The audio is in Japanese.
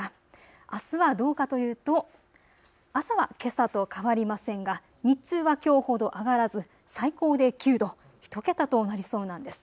あすはどうかというと朝はけさと変わりませんが日中はきょうほど上がらず最高で９度、１桁となりそうなんです。